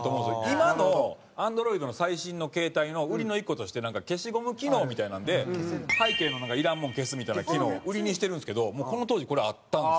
今のＡｎｄｒｏｉｄの最新の携帯の売りの１個としてなんか消しゴム機能みたいなので背景のいらんもの消すみたいな機能売りにしてるんですけどもうこの当時これあったんですよね。